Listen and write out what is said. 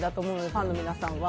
ファンの皆さんは。